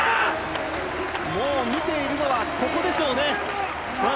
もう見ているのはここでしょうね。